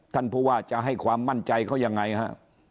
ท่านผู้ว่าจะให้ความมั่นใจเขายังไงฮะ